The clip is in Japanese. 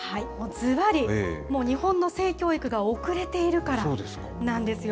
ずばり、もう日本の性教育が遅れているからなんですよ。